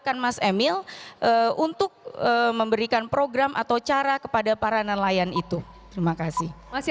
terima kasih mas emil untuk memberikan program atau cara kepada para nelayan itu terima kasih masih